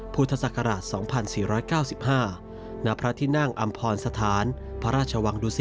พุทธศักราช๒๐๐๐